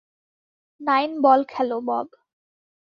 Nine ball খেলো, Bob.